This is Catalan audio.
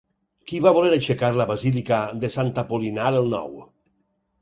Qui va voler aixecar la basílica de Sant Apol·linar el Nou?